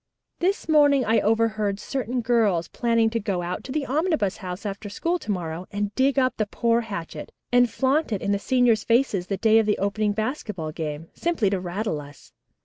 "This morning I overheard certain girls planning to go out to the Omnibus House after school to morrow and dig up the poor hatchet and flaunt it in the seniors' faces the day of the opening basketball game, simply to rattle us.